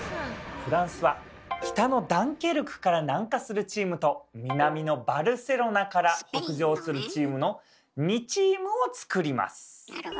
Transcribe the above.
フランスは北のダンケルクから南下するチームと南のバルセロナから北上するチームの２チームを作ります。